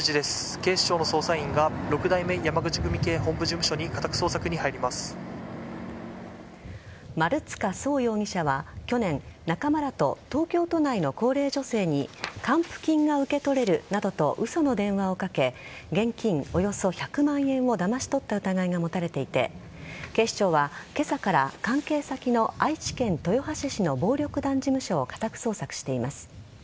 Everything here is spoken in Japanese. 警視庁の捜査員が六代目山口組系本部事務所に丸塚創容疑者は去年、仲間らと東京都内の高齢女性に還付金が受け取れるなどと嘘の電話をかけ現金およそ１００万円をだまし取った疑いが持たれていて警視庁は今朝から関係先の愛知県豊橋市の暴力団事務所を家宅捜索しています。